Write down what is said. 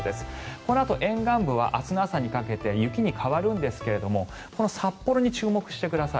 このあと沿岸部は明日の朝にかけて雪に変わるんですがこの札幌に注目してください。